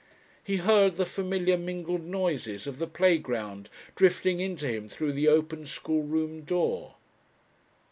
He heard the familiar mingled noises of the playground drifting in to him through the open schoolroom door.